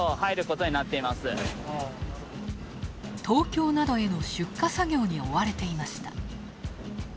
東京などへの出荷作業に追われていました。